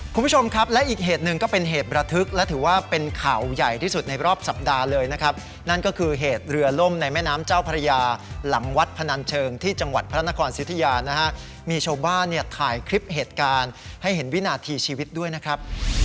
คุณผู้ชมครับและอีกเหตุหนึ่งก็เป็นเหตุระทึกและถือว่าเป็นข่าวใหญ่ที่สุดในรอบสัปดาห์เลยนะครับนั่นก็คือเหตุเรือล่มในแม่น้ำเจ้าพระยาหลังวัดพนันเชิงที่จังหวัดพระนครสิทธิยานะฮะมีชาวบ้านเนี่ยถ่ายคลิปเหตุการณ์ให้เห็นวินาทีชีวิตด้วยนะครับ